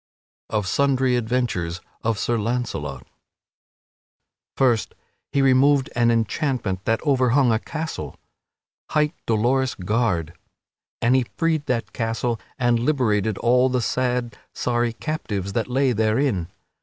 [Sidenote: Of sundry adventures of Sir Launcelot] First he removed an enchantment that overhung a castle, hight Dolorous Gard; and he freed that castle and liberated all the sad, sorry captives that lay therein.